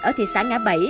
ở thị xã ngã bảy